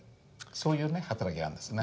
そういうね働きがあるんですね。